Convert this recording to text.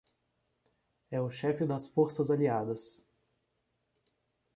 É o chefe das forças aliadas.